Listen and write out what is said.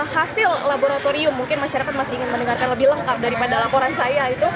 hasil laboratorium mungkin masyarakat masih ingin mendengarkan lebih lengkap daripada laporan saya